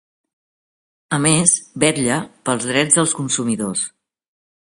A més, vetla pels drets dels consumidors.